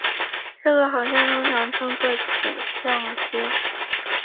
这个航向通常称作径向线。